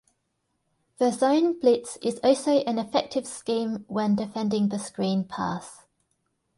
The zone blitz is also an effective scheme when defending the screen pass.